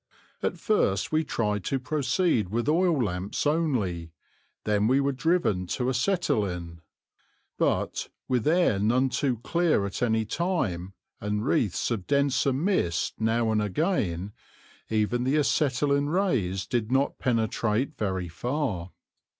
At first we tried to proceed with oil lamps only; then we were driven to acetylene; but, with air none too clear at any time and wreaths of denser mist now and again, even the acetylene rays did not penetrate very far.